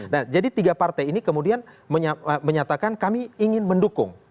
nah jadi tiga partai ini kemudian menyatakan kami ingin mendukung